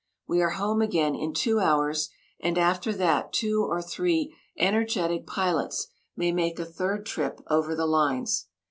We are home again in two hours and after that two or three energetic pilots may make a third trip over the lines.